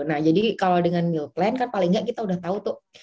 nah jadi kalau dengan meal plan kan paling nggak kita udah tahu tuh